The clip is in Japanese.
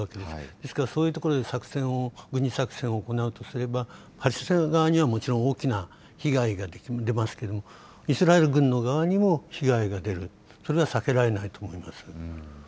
ですから、そういう所で作戦を、軍事作戦を行うとすれば、パレスチナ側にはもちろん大きな被害が出ますけど、イスラエル軍の側にも被害が出る、それは避けられないと思います。